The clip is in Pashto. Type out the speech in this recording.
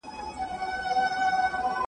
دا علم په کوچنيو ډلو تمرکز لري.